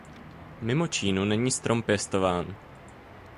Mimo Čínu není strom pěstován.